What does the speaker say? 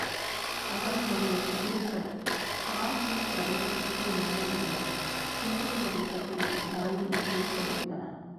அவர்களுடைய குதிரைகள் காஸ்வின் பிரதேசத்திற்கு மேலேயுள்ள குன்றுப் பிரதேசத்திலே நுழைந்து போய்க் கொண்டிருந்தன.